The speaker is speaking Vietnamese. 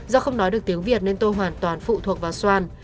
do không nói được tiếng việt nên tôi hoàn toàn phụ thuộc vào soan